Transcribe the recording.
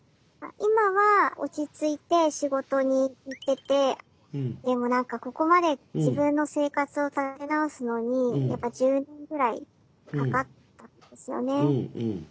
今は落ち着いて仕事に行っててでも何かここまで自分の生活を立て直すのにやっぱ１０年ぐらいかかったんですよね。